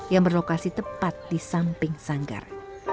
yang berlokasi tepat di samping sanggar